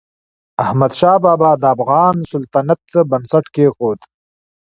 احمدشاه بابا د افغان سلطنت بنسټ کېښود.